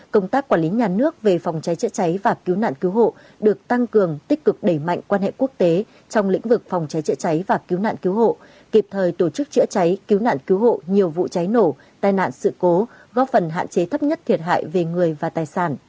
công tác quản lý nhà nước về phòng cháy chữa cháy và cứu nạn cứu hộ được tăng cường tích cực đẩy mạnh quan hệ quốc tế trong lĩnh vực phòng cháy chữa cháy và cứu nạn cứu hộ kịp thời tổ chức chữa cháy cứu nạn cứu hộ nhiều vụ cháy nổ tai nạn sự cố góp phần hạn chế thấp nhất thiệt hại về người và tài sản